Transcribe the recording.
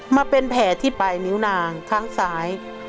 มาเป็นแผลที่ปลายนิ้วนางข้างซ้าย